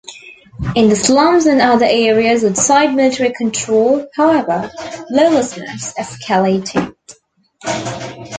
In the slums and other areas outside military control, however, lawlessness escalated.